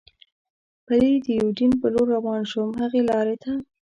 پلي د یوډین په لور روان شو، هغې لارې ته.